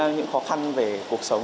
những khó khăn về cuộc sống